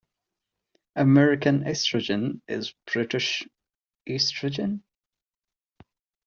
American estrogen is British oestrogen.